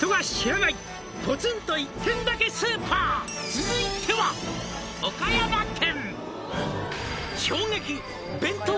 「続いては岡山県」